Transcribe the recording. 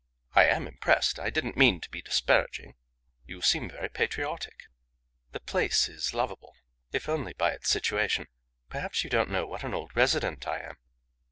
"I am impressed. I didn't mean to be disparaging. You seem very patriotic." "The place is lovable, if only by its situation. Perhaps you don't know what an old resident I am."